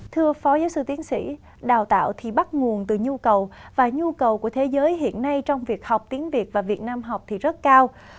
thưa phó giáo sư tiến sĩ đào tạo thì bắt nguồn từ nhu cầu và nhu cầu của thế giới hiện nay trong việc học tiếng việt và việt nam học thì rất cao